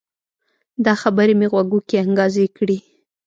دا خبرې مې غوږو کې انګازې کړي